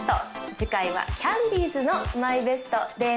次回はキャンディーズのＭＹＢＥＳＴです